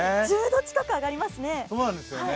１０度近く上がりますね。